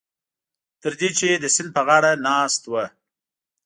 تر دې چې د سیند په غاړه ناست وو.